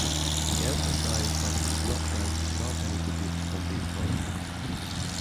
He emphasised that he was not trying to stop any debates from being broadcast.